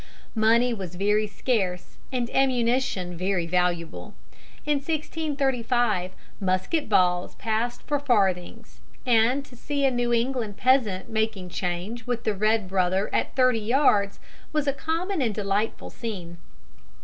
Money was very scarce, and ammunition very valuable. In 1635 musket balls passed for farthings, and to see a New England peasant making change with the red brother at thirty yards was a common and delightful scene.